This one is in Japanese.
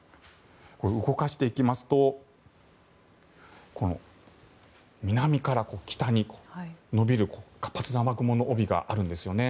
動かしていきますと南から北に延びる活発な雨雲の帯があるんですよね。